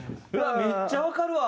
めっちゃわかるわ！